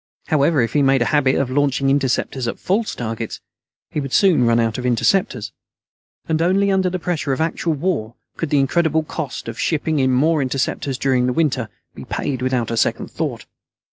However, if he made a habit of launching interceptors at false targets, he would soon run out of interceptors. And only under the pressure of actual war would the incredible cost of shipping in more interceptors during the winter be paid without a second thought.